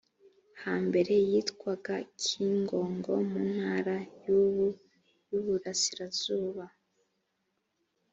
hambere yitwaga kingogo mu ntara y ubu y u burasirazuba